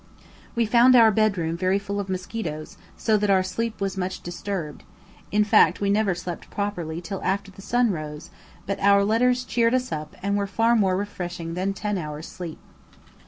We found our bedroom very full of mosquitoes, so that our sleep was much disturbed, in fact we never slept properly till after the sun rose; but our letters cheered us up and were far more refreshing than ten hours' sleep.